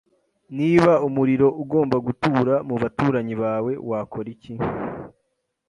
Niba umuriro ugomba gutura mu baturanyi bawe, wakora iki?